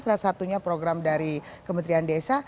salah satunya program dari kementerian desa